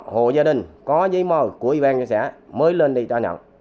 hộ gia đình có giấy mòi của ủy ban dân xã mới lên đi cho nhận